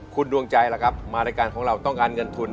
คุณดวงใจล่ะครับมารายการของเราต้องการเงินทุน